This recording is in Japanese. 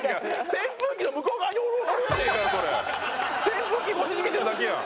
扇風機越しに見てるだけやん！